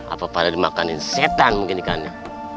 apa pada dimakanin setan mengginikannya